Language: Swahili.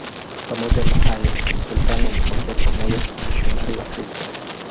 Pamoja na hayo, sultani alipokea kwa moyo wamisionari Wakristo.